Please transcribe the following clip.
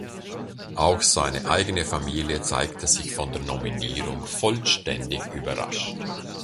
Auch seine eigene Familie zeigte sich von der Nominierung vollständig überrascht.